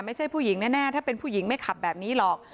ไม่ใช่ผู้หญิงแน่ถ้าเป็นผู้หญิงไม่ขับแบบนี้หรอก